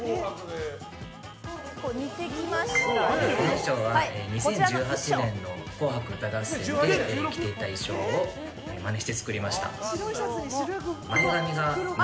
衣装は２０１８年の「紅白歌合戦」で着ていた衣装をマネして作りました。